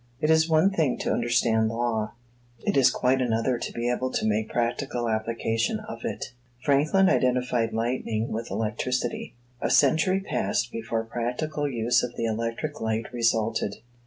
It is one thing to understand law; it is quite another to be able to make practical application of it. Franklin identified lightning with electricity; a century passed before practical use of the electric light resulted.